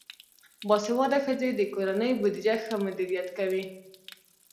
باسواده ښځې د کورنۍ بودیجه ښه مدیریت کوي.